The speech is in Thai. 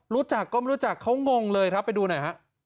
รู้จักก็ไม่รู้จักเขางงเลยครับไปดูหน่อยฮะ